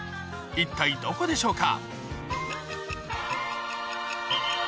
一体どこでしょうか？